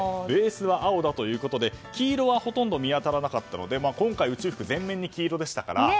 ベースは青だということで黄色はほとんど見当たらなかったので今回、宇宙服全面に黄色でしたから。